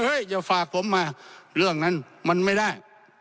อย่าฝากผมมาเรื่องนั้นมันไม่ได้